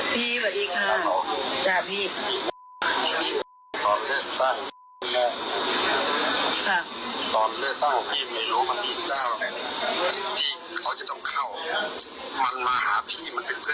พี่สวัสดีค่ะ